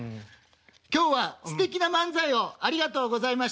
「今日はすてきな漫才をありがとうございました」。